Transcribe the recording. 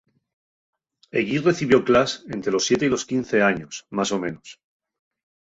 Ellí recibió clas ente los siete y los quince años, más o menos.